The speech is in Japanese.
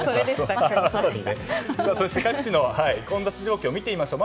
そして各地の混雑状況を見てみましょう。